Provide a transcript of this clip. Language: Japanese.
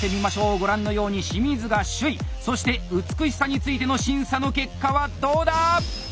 ご覧のように清水が首位そして美しさについての審査の結果はどうだ！